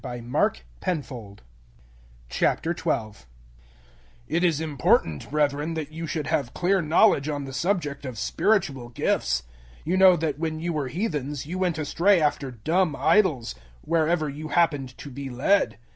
012:001 It is important, brethren, that you should have clear knowledge on the subject of spiritual gifts. 012:002 You know that when you were heathens you went astray after dumb idols, wherever you happened to be led.